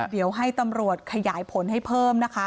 เดี๋ยวให้ตำรวจขยายผลให้เพิ่มนะคะ